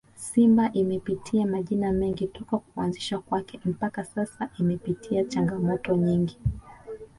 Simba imepitia majina mengi toka kuanzishwa kwake mpaka sasa imepitia changamoto nyingi